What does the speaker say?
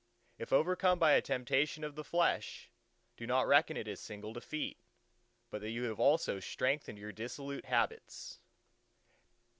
If overcome by a temptation of the flesh, do not reckon it a single defeat, but that you have also strengthened your dissolute habits.